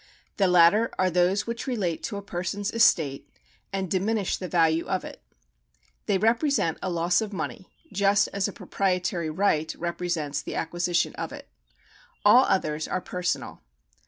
The latter are those which relate to a person's estate, and diminish the value of it. They represent a loss of money, just as a proprietary right represents the acquisition of it. All others are personal.